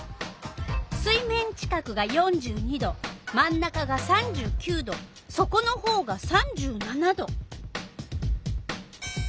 水面近くが４２℃真ん中が３９℃そこのほうが３７℃。